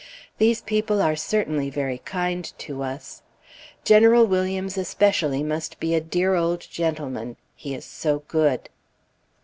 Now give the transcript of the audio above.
These people are certainly very kind to us. General Williams especially must be a dear old gentleman; he is so good.